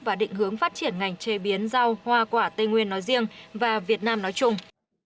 và định hướng phát triển ngành chế biến rau hoa quả tây nguyên nói riêng và việt nam nói chung